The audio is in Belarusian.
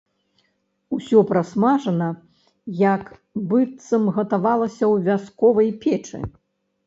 Усё прасмажана, як быццам гатавалася ў вясковай печы.